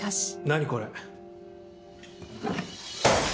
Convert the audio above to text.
何これ。